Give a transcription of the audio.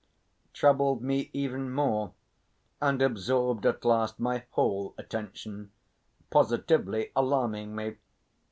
troubled me even more and absorbed at last my whole attention, positively alarming me.